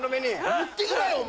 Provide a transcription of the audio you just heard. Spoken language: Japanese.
持ってくなよお前！